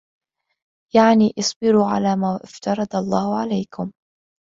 يَعْنِي اصْبِرُوا عَلَى مَا افْتَرَضَ اللَّهُ عَلَيْكُمْ